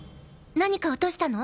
何か落としたの？